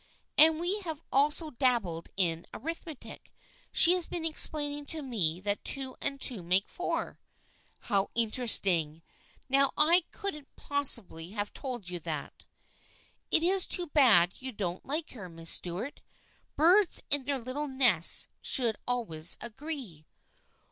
And we have also dabbled in arithmetic. She has been explaining to me that two and two make four." " How interesting ! Now I couldn't possibly have told you that." "It is too bad you don't like her, Miss Stuart. Birds in their little nests should always agree."